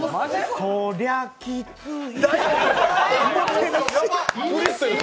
そ・りゃ・き・つ・い。